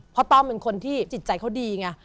เพราะต้อมเป็นคนที่จิตใจเขาดีไง